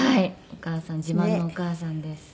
お母さん自慢のお母さんです。